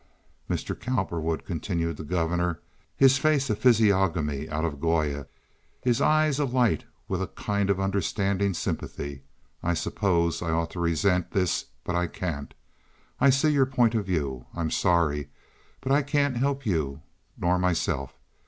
"Mr. Cowperwood," continued the governor, his face a physiognomy out of Goya, his eye alight with a kind of understanding sympathy, "I suppose I ought to resent this, but I can't. I see your point of view. I'm sorry, but I can't help you nor myself.